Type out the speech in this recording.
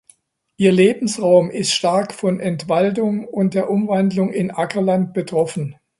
Ihr Lebensraum ist stark von Entwaldung und der Umwandlung in Ackerland betroffen.